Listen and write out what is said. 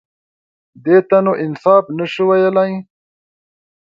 _دې ته نو انصاف نه شو ويلای.